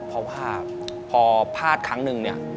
เพราะว่าพอภาษณ์ครั้งหนึ่ง